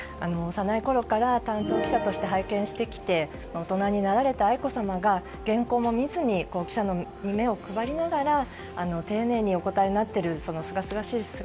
幼いころから担当記者として拝見してきて大人になられた愛子さまが原稿も見ずに記者に目を配りながら丁寧にお答えになっているそのすがすがしい